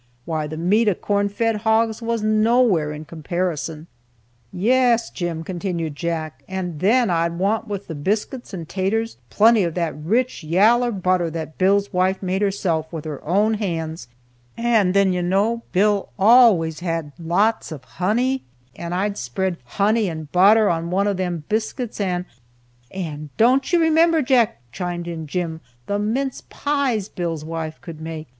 why, the meat of corn fed hogs was nowhere in comparison." "Yes, Jim," continued Jack, "and then I'd want with the biscuits and 'taters plenty of that rich yaller butter that Bill's wife made herself, with her own hands, and then you know Bill always had lots of honey, and I'd spread honey and butter on one of them biscuits, and " "And don't you remember, Jack," chimed in Jim, "the mince pies Bill's wife could make?